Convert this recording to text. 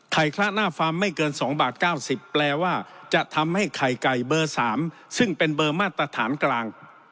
คละหน้าฟาร์มไม่เกิน๒บาท๙๐แปลว่าจะทำให้ไข่ไก่เบอร์๓ซึ่งเป็นเบอร์มาตรฐานกลาง